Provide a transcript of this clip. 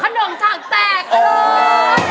อะไรอะไรอะไรแตกครับ